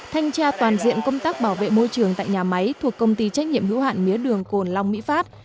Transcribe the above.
thanh tra toàn diện công tác bảo vệ môi trường tại nhà máy thuộc công ty trách nhiệm hữu hạn mía đường cồn long mỹ phát